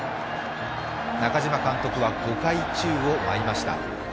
中嶋監督は５回、宙を舞いました。